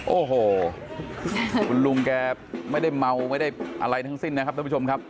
โอ้โหคุณลุงแกไม่ได้เมาไม่ได้อะไรทั้งสิ้นนะครับท่านผู้ชมครับ